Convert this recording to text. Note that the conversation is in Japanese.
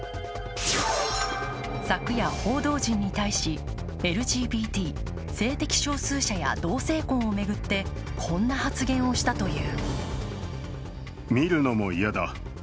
昨夜、報道陣に対し、ＬＧＢＴ・性的少数者や同性婚を巡って、こんな発言をしたという。